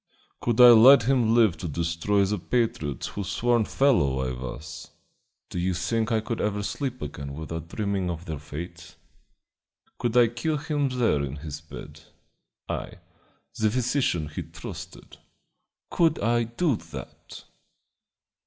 "Could I let him live to destroy the patriots whose sworn fellow I was? Do you think I could ever sleep again without dreaming of their fate? Could I kill him there in his bed I, the physician he trusted? Could I do that?"